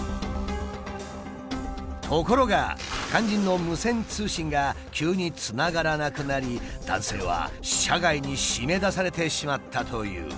ところが肝心の無線通信が急につながらなくなり男性は車外に閉め出されてしまったという。